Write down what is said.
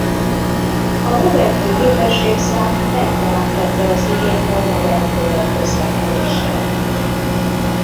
A növekvő népességszám megteremtette az igényt a modern tömegközlekedésre.